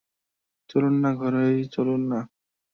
চলুন-না, ঘরেই চলুন-না!